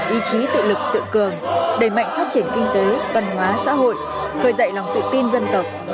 ý chí tự lực tự cường đầy mạnh phát triển kinh tế văn hóa xã hội khởi dạy lòng tự tin dân tộc